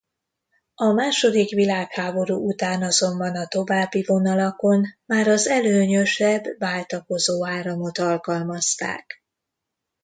A második világháború után azonban a további vonalakon már az előnyösebb váltakozó áramot alkalmazták.